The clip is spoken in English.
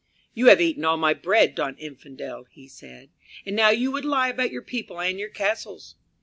"You have eaten all my bread, don Infidel," he said, "and now you would lie about your people and your castles.